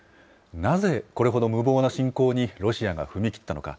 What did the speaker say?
なぜこれほど無謀な侵攻にロシアが踏み切ったのか。